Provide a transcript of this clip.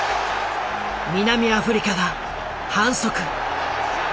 南アフリカが反則。